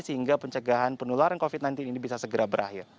sehingga pencegahan penularan covid sembilan belas ini bisa segera berakhir